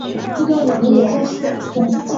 母阎氏。